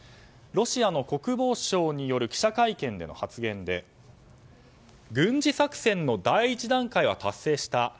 ロシアの国防省による記者会見での発言で軍事作戦の第１段階は達成した。